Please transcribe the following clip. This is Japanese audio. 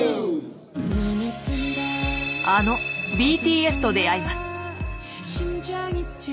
あのＢＴＳと出会います。